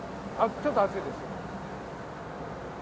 ちょっと熱いですよ。